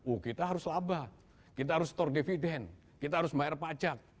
oh kita harus labah kita harus store dividen kita harus maer pajak